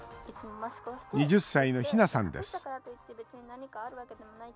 ２０歳のひなさんです。